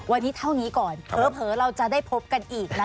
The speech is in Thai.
วันนี้เท่านี้ก่อนเผลอเราจะได้พบกันอีกนะคะ